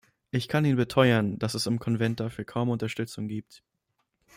Ich kann Ihnen beteuern, dass es im Konvent dafür kaum Unterstützung gibt.